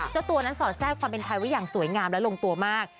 เจ้าตัวนั้นสอดแทรกความเป็นไทยไว้อย่างสวยงามและลงตัวมาก